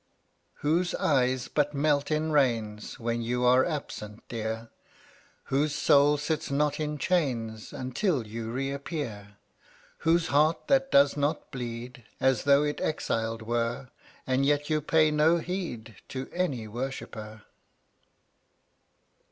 95 Whose eyes but melt in rains When you are absent, Dear? Whose soul sits not in chains Until you reappear? Whose heart that does not bleed As though it exiled were? And yet you pay no heed To any worshipper.